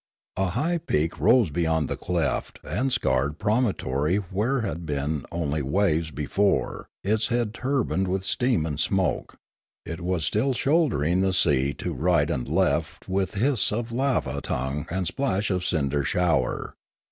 A high peak rose beyond the cleft and scarred promontory where there had been only waves before, its head turbaned with steam and smoke. It was still shouldering the sea to right and left with hiss of lava tongue and splash of cinder shower.